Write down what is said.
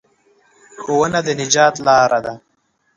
ښوونه د نجات لاره ده.